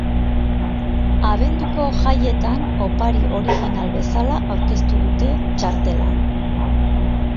Abenduko jaietan opari oirijinal bezala aurkeztu dute txartela.